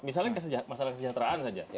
misalnya masalah kesejahteraan saja